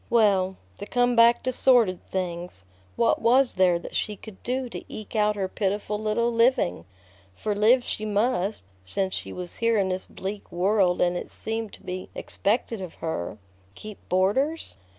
Well, to come back to sordid things, what was there that she could do to eke out her pitiful little living? For live she must, since she was here in this bleak world and it seemed to be expected of her. Keep boarders?